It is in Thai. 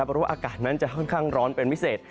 เพราะว่าอากาศนั้นจะค่อนข้างร้อนเป็นพิเศษ